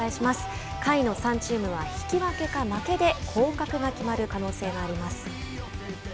下位の３チームは引き分けか負けで降格が決まる可能性があります。